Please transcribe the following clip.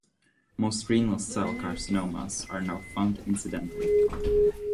Most renal cell carcinomas are now found incidentally.